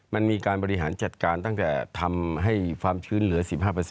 มันมีการบริหารจัดการตั้งแต่ทำให้ความชื้นเหลือ๑๕